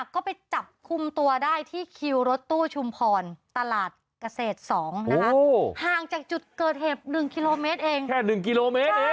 ก็ไปจับคุมตัวได้ที่คิวรถตู้ชุมภลตลาดเกษฐ๒ห่างจากจุดเกิดเห็ก๑ครม